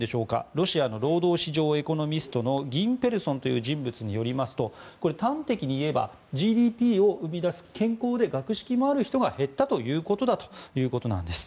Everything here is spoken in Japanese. ロシアの労働市場エコノミストのギンぺルソンという人物によりますとこれは端的に言えばＧＤＰを生み出す健康で学識もある人が減ったということだということです。